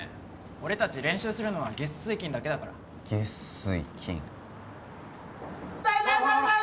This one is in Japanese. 俺達練習するのは月水金だけだから月水金イタイイタイイタイ